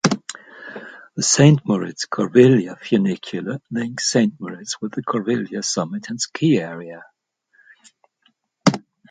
The Saint Moritz-Corviglia funicular links Saint Moritz with the Corviglia summit and ski area.